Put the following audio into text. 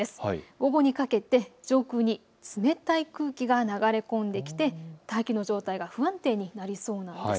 午後にかけて上空に冷たい寒気が流れ込んできて大気の状態が不安定になりそうなんです。